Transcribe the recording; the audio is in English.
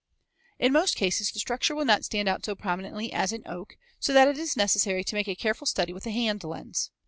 In most cases the structure will not stand out so prominently as in oak, so that it is necessary to make a careful study with the hand lens.